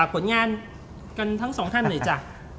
กันทั้งสองท่านหน่อยจ้ะ